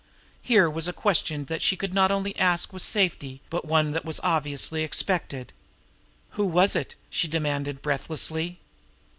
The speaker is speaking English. Here was a question that she could not only ask with safety, but one that was obviously expected. "Who was it?" she demanded breathlessly.